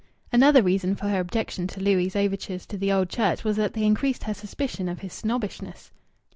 Another reason for her objection to Louis' overtures to the Old Church was that they increased her suspicion of his snobbishness.